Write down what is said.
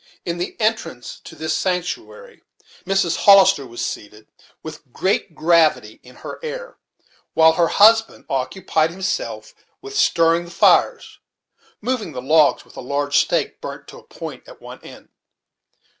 In the entrance to this sanctuary Mrs. Hollister was seated, with great gravity in her air, while her husband occupied himself with stirring the fires, moving the logs with a large stake burnt to a point at one end.